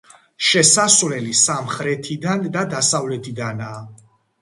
შესასვლელი სამხრეთიდან და დასავლეთიდანაა.